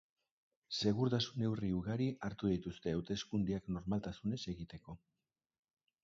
Segurtasun neurri ugari hartu dituzte hauteskundeak normaltasunez egiteko.